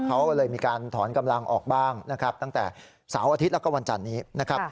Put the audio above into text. เขาเลยมีการถอนกำลังออกบ้างนะครับตั้งแต่เสาร์อาทิตย์แล้วก็วันจันนี้นะครับ